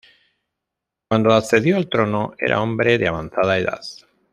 Cuando accedió al trono, era hombre de avanzada edad.